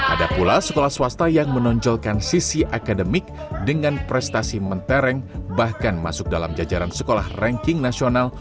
ada pula sekolah swasta yang menonjolkan sisi akademik dengan prestasi mentereng bahkan masuk dalam jajaran sekolah ranking nasional